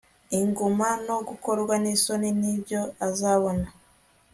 Inguma no gukorwa nisoni ni byo azabona